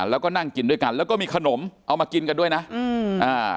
แล้วก็นั่งกินด้วยกันแล้วก็มีขนมเอามากินกันด้วยนะอืมอ่า